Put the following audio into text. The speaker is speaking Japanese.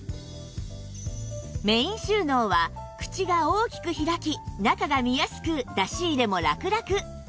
メイン収納は口が大きく開き中が見やすく出し入れもラクラク